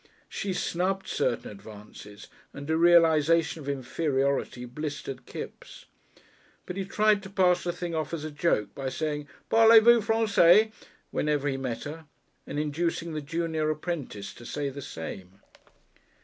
She snubbed certain advances, and a realisation of inferiority blistered Kipps. But he tried to pass the thing off as a joke by saying, "Parlez vous Francey," whenever he met her, and inducing the junior apprentice to say the same.